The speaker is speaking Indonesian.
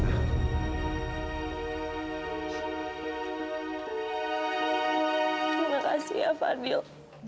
terima kasih ya fadil